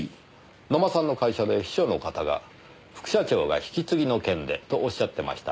野間さんの会社で秘書の方が副社長が引き継ぎの件でとおっしゃってました。